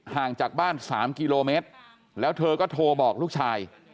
ห่างจากบ้าน๓กิโลเมตรแล้วเธอก็โทรบอกลูกชาย